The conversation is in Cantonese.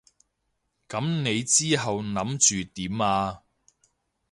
噉你之後諗住點啊？